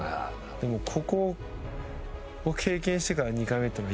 でもここを経験してから２回目というのは